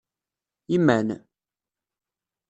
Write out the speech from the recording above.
Iman.